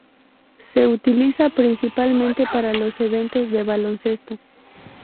Se utiliza principalmente para los eventos de baloncesto.